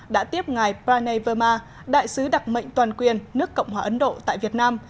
đã tiếp ngài pranay verma đại sứ đặc mệnh toàn quyền nước cộng hòa ấn độ tại việt nam